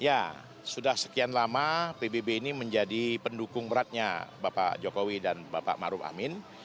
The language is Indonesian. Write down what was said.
ya sudah sekian lama pbb ini menjadi pendukung beratnya bapak jokowi dan bapak maruf amin